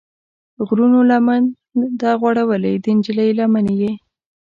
غرونو لمن ده غوړولې، د نجلۍ لمن یې